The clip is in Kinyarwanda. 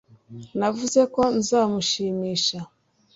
navuze ko nzamushimisha